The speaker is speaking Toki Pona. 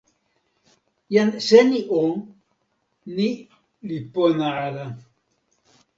jan Seni o, ni li pona ala.